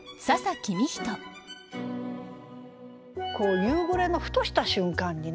夕暮れのふとした瞬間にね